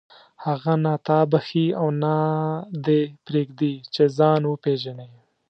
هغه نه تا بخښي او نه دې پرېږدي چې ځان وپېژنې.